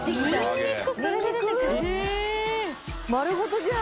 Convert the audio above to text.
丸ごとじゃん。